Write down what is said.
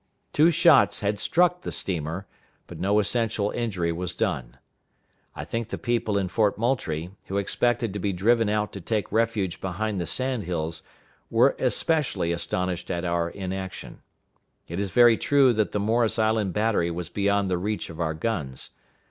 Two shots had struck the steamer, but no essential injury was done. I think the people in Fort Moultrie, who expected to be driven out to take refuge behind the sand hills, were especially astonished at our inaction. It is very true that the Morris Island battery was beyond the reach of our guns.